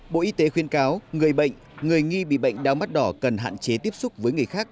bộ y tế khuyên cáo người bệnh người nghi bị bệnh đau mắt đỏ cần hạn chế tiếp xúc với người khác